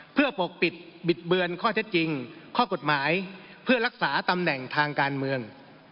เพื่อปกปิดบิดเบือนข้อเท็จจริงข้อกฎหมายเพื่อรักษาตำแหน่งทางการเมือง